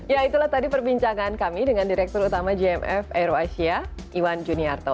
ya itulah tadi perbincangan kami dengan direktur utama gmf aero asia iwan juniarto